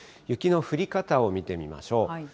雪の降り方を見てみましょう。